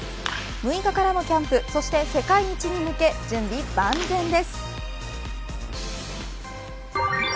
６日からのキャンプそして世界一に向け準備万全です。